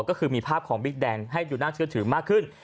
ก็คือมีภาพของบิ๊กแดงให้ดูน่าเชื่อถือมากขึ้น